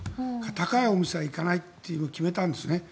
高いお店は行かないと決めたんです。